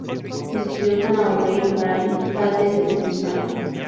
Estudió con Aubrey Brain, padre de Dennis Brain.